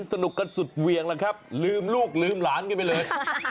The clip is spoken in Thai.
สนุกกันสุดเวียงแล้วครับลืมลูกลืมหลานกันไปเลย